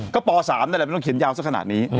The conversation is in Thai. ก็ป๓แน่แต่ต้องเขียนยาวสักขนาดนี้